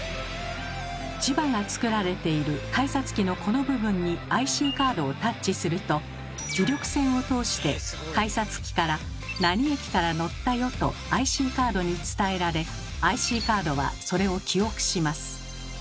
磁場が作られている改札機のこの部分にＩＣカードをタッチすると磁力線を通して改札機から「何駅から乗ったよ」とＩＣカードに伝えられＩＣカードはそれを記憶します。